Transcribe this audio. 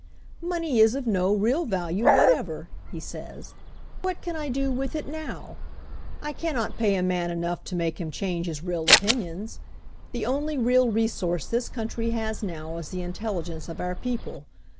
Money is of no real value whatever/' he says. What can I do with it now? I cannot pay a 179 180 HENRY FORD'S OWN STORY man enough to make him change his real opin ions. The only real resource this country has now is the intelligence of our people.